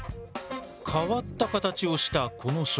変わった形をしたこの植物。